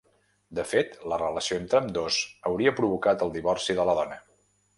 De fet, la relació entre ambdós hauria provocat el divorci de la dona.